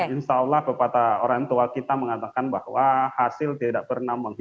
insya allah pepatah orang tua kita mengatakan bahwa hasil tidak pernah menghilang